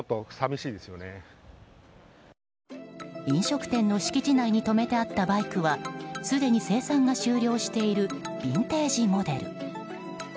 飲食店の敷地内に止めてあったバイクはすでに生産が終了しているビンテージモデル。